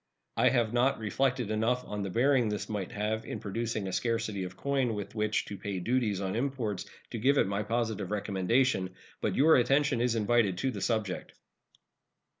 I have not reflected enough on the bearing this might have in producing a scarcity of coin with which to pay duties on imports to give it my positive recommendation. But your attention is invited to the subject.